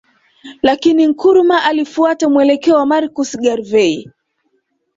Lakini Nkrumah alifuata mwelekeo wa Marcus Garvey